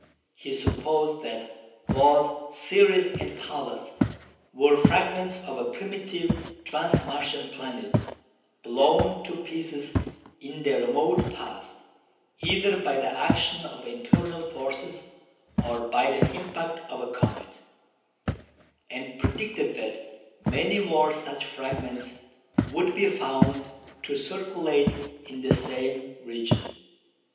He supposed that both Ceres and Pallas were fragments of a primitive trans Martian planet, blown to pieces in the remote past, either by the action of internal forces or by the impact of a comet; and predicted that many more such fragments would be found to circulate in the same region.